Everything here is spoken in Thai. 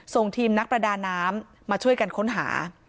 ส่งทีมนักประดาน้ำมาช่วยกันค้นหา